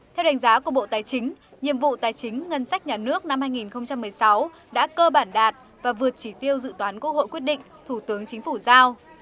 theo đánh giá của bộ tài chính nhiệm vụ tài chính ngân sách nhà nước năm hai nghìn một mươi sáu đã cơ bản đạt và vượt chỉ tiêu dự toán quốc hội quyết định thủ tướng chính phủ giao